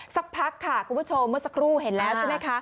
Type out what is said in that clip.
ซักพักคุณผู้ชมุงสักรู่เห็นแล้วใช่ไหมคะ